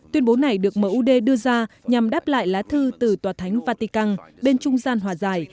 tuyên bố này được mud đưa ra nhằm đáp lại lá thư từ tòa thánh vatican bên trung gian hòa giải